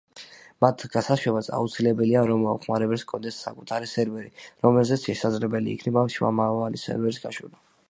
მათ გასაშვებად აუცილებელია რომ მომხმარებელს ჰქონდეს საკუთარი სერვერი რომელზეც შესაძლებელი იქნება შუამავალი სერვერის გაშვება.